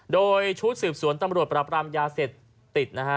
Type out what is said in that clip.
โดยชุดสืบสวนตำรวจปราบรามยาเสพติดนะฮะ